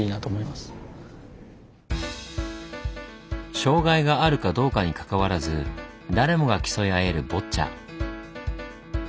障害があるかどうかにかかわらず誰もが競い合えるボッチャ。